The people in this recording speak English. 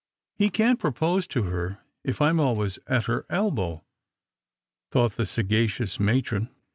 •' He can't propose to her if I'm always at her elbow," thought the sagacious matron.